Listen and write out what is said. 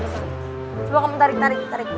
coba kamu tarik tarik